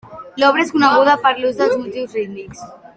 L'obra és coneguda per l'ús de motius rítmics.